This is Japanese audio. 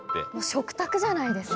食卓じゃないですか。